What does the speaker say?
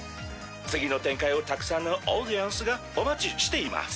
次の展開をたくさんのオーディエンスがお待ちしています。